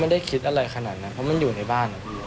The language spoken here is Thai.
ไม่ได้คิดอะไรขนาดนั้นเพราะมันอยู่ในบ้านนะพี่